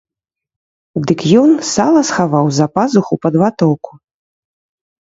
Дык ён сала схаваў за пазуху пад ватоўку.